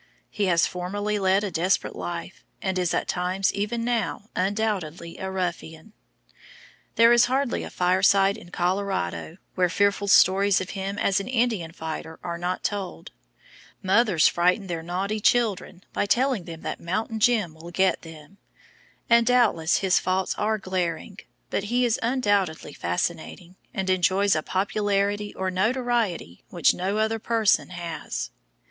He has formerly led a desperate life, and is at times even now undoubtedly a ruffian. There is hardly a fireside in Colorado where fearful stories of him as an Indian fighter are not told; mothers frighten their naughty children by telling them that "Mountain Jim" will get them, and doubtless his faults are glaring, but he is undoubtedly fascinating, and enjoys a popularity or notoriety which no other person has.